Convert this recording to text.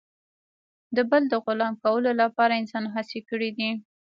د بل د غلام کولو لپاره انسان هڅې کړي دي.